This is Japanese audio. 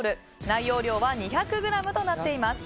内容量は２００ｇとなっています。